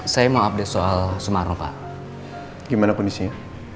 saya mau update soal sumaro pak gimana kondisinya